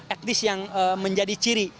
at least yang menjadi ciri